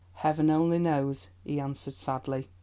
"Heaven only knows!" he answered sadly.